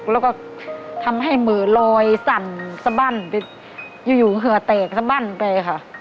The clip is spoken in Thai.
แล้วก็ทำให้มือลอยสั่นสะบั้นไปอยู่เหือแตกสบั้นไปค่ะ